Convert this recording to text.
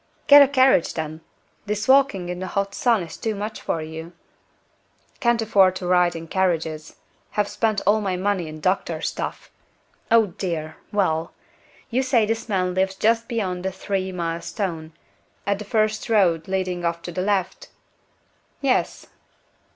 "Get a carriage, then. This walking in the hot sun is too much for you." "Can't afford to ride in carriages. Have spent all my money in doctor stuffs. Oh, dear! Well! You say this man lives just beyond the three mile stone, at the first road leading off to the left?" "Yes."